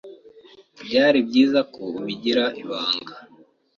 Byari byiza ko ubigira ibanga.